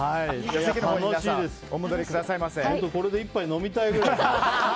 これで１杯飲みたいくらい。